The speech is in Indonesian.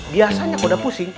biasanya kalo udah pusing